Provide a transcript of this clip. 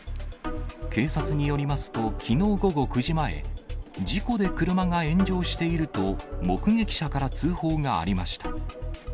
警察によりますと、きのう午後９時前、事故で車が炎上していると目撃者から通報がありました。